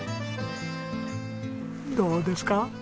どうですか？